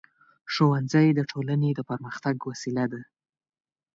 ښوونځی د ټولنې د پرمختګ وسیله ده.